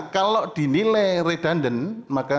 kalau dinilai redundant